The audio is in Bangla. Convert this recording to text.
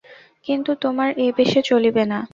কিন্তু তোমার এ বেশে চলিবে না।